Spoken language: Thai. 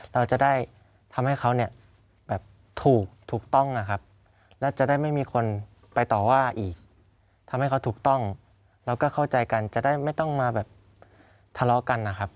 เราก็เข้าใจกันจะได้ไม่ต้องมาแบบทะเลาะกันนะครับ